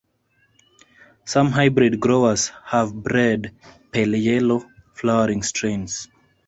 Some hybrid growers have bred pale yellow-flowering strains.